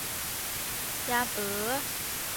ยามเอ๋อ